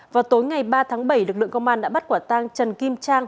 vào tối ngày ba tháng bảy lực lượng công an đã bắt quả tang trần kim trang